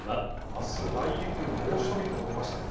あす内陸、猛暑日と出ましたね。